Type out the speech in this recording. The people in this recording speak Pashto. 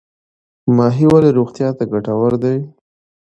ماهي ولې روغتیا ته ګټور دی؟